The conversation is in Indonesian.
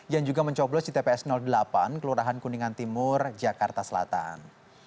yang juga mencoblos di tps delapan kelurahan kuningan timur jakarta selatan